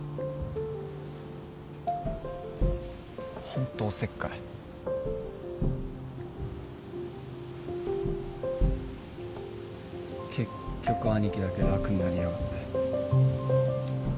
ホントおせっかい結局兄貴だけ楽になりやがって